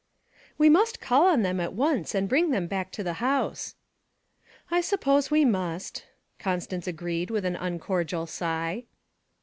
'We must call on them at once and bring them back to the house.' 'I suppose we must.' Constance agreed with an uncordial sigh.